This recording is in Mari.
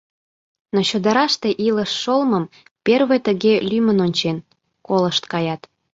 Но чодыраште илыш шолмым первый тыге лӱмын ончен, колышт каят.